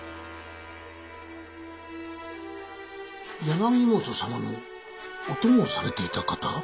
柳本様のお供をされていた方は？